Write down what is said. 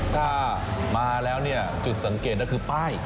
ถ้ามาแล้วเนี่ยจุดสังเกตก็คือป้าย